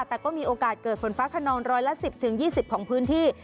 แต่ก็มีโอกาสเจอฝนฟ้าขนอง๑๑๐๒๐ของพื้นที่